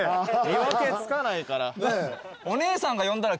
見分けつかないから。